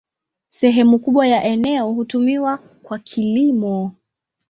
Sehemu kubwa ya eneo hutumiwa kwa kilimo.